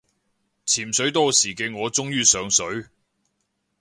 潛水多時嘅我終於上水